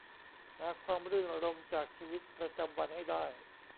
หาความรื่นรมย์จากชีวิตประจำวันให้ได้